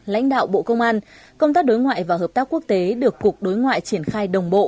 lãnh đạo bộ công an công tác đối ngoại và hợp tác quốc tế được cục đối ngoại triển khai đồng bộ